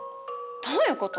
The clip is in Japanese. どういうこと？